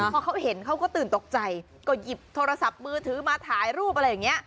พอเขาเห็นเขาก็ตื่นตกใจก็หยิบโทรศัพท์มือถือมาถ่ายรูปอะไรอย่างนี้